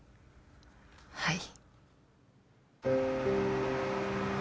はい。